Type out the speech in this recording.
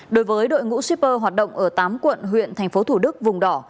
đối với đội ngũ shipper hoạt động ở tám quận huyện tp thủ đức vùng đỏ